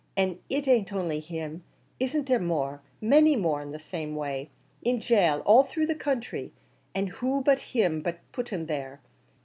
an' it an't only him; isn't there more? many more in the same way, in gaol all through the counthry; an' who but him put 'em there?